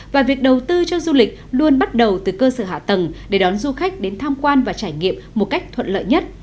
và việc đầu tư cho du lịch luôn bắt đầu từ cơ sở hạ tầng để đón du khách đến tham quan và trải nghiệm một cách thuận lợi nhất